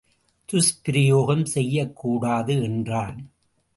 துஷ்பிரயோகம் செய்யக்கூடாது. என்றான்.